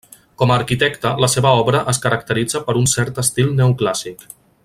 Com a arquitecte la seva obra es caracteritza per un cert estil neoclàssic.